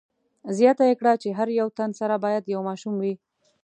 زیاته یې کړه چې هر یو تن سره باید یو ماشوم وي.